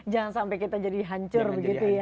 jangan sampai kita jadi hancur begitu ya